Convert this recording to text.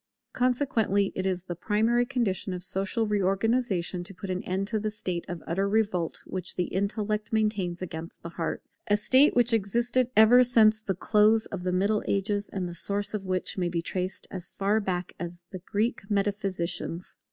Consequently it is the primary condition of social reorganization to put an end to the state of utter revolt which the intellect maintains against the heart; a state which has existed ever since the close of the Middle Ages and the source of which may be traced as far back as the Greek Metaphysicians.